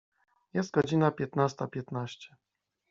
Jest godzina piętnasta piętnaście.